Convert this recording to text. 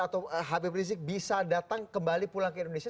atau habib rizik bisa datang kembali pulang ke indonesia